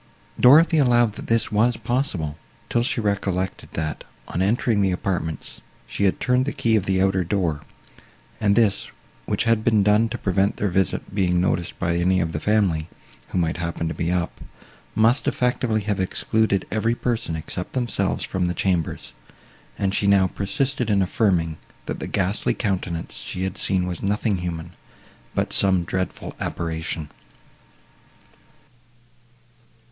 Dorothée allowed, that this was possible, till she recollected, that, on entering the apartments, she had turned the key of the outer door, and this, which had been done to prevent their visit being noticed by any of the family, who might happen to be up, must effectually have excluded every person, except themselves, from the chambers; and she now persisted in affirming, that the ghastly countenance she had seen was nothing human, but some dreadful apparition.